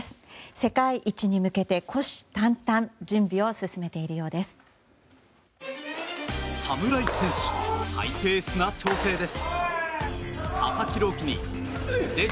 世界一に向けて虎視眈々準備を進めているようです。